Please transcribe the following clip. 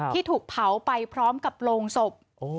ที่ถูกเผาไปพร้อมกับโรงศพ